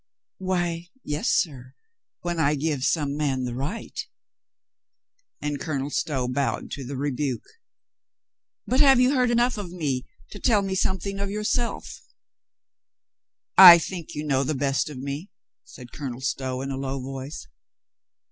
"Why, yes, sir, when I give some man the right." And Colonel Stow bowed to the rebuke. "But have you heard enough of me to tell me something of yourself?" "I think you know the best of me," said Colonel Stow in a low voice.